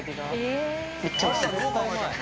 めっちゃおいしいです。